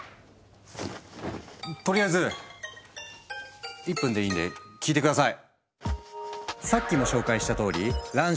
とりあえず１分でいいんで聞いて下さい。